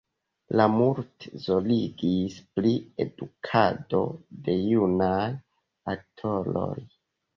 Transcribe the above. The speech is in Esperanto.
Li multe zorgis pri edukado de junaj aktoroj.